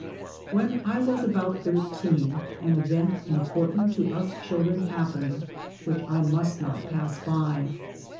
When I was about, thirteen an event important to us children happened, which I must not pass by.